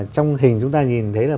trong hình chúng ta nhìn thấy là